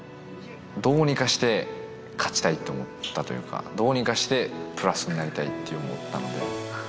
どうにかして勝ちたいって思ったというか、どうにかしてプラスになりたいって思ってたので。